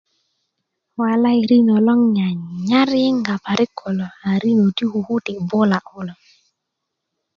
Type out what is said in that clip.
walai rino loŋ 'n nyanyar yiyinga parik kulo a rino ti kuku ti bula' kulo